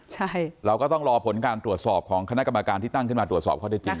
ใช่เราก็ต้องรอผลการตรวจสอบของคณะกรรมการที่ตั้งขึ้นมาตรวจสอบข้อได้จริง